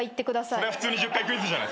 それは普通に１０回クイズじゃん。